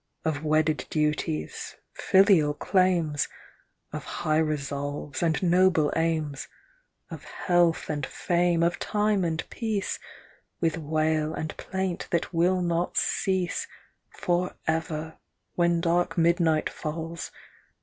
Of wedded duties, filial claims, Of high resolves and noble aims ; Of health and fame, of time and peace, With wail and plaint that will not cease For ever, when dark midnight falls.